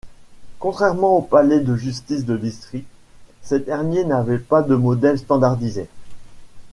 Contrairement aux palais de justice de district, ces derniers n'avait pas de modèle standardisé.